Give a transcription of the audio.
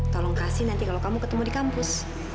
tolong kasih nanti kalau kamu ketemu di kampus